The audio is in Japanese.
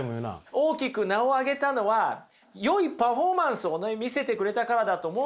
大きく名を上げたのはよいパフォーマンスを見せてくれたからだと思うんですよね。